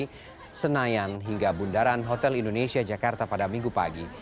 dari senayan hingga bundaran hotel indonesia jakarta pada minggu pagi